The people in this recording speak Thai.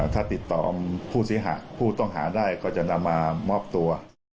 ถ้าติดต่อผู้เสียหายผู้ต้องหาได้ก็จะนำมามอบตัว